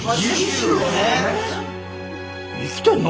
生きてんの？